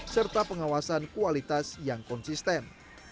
serta pengawasan kualitas yang konsisten